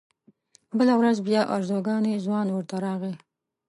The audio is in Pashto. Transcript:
بله ورځ بیا ارزګانی ځوان ورته راغی.